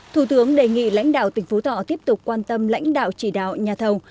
thủ tướng đề nghị lãnh đạo tỉnh phú thọ tiếp tục quan tâm lãnh đạo chỉ đạo nhà thầu